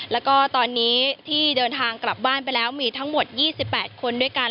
แล้วก็ตอนนี้ที่เดินทางกลับบ้านไปแล้วมีทั้งหมด๒๘คนด้วยกัน